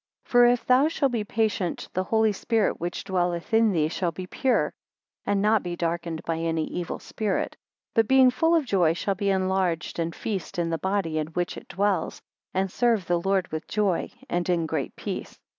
2 For if thou shalt be patient, the Holy Spirit which dwelleth in thee shall be pure, and not be darkened by any evil spirit; but being full of joy shall be enlarged, and feast in the body in which it dwells, and serve the Lord with joy, and in great peace.